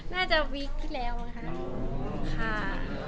น่าจะวีคที่แล้วค่ะ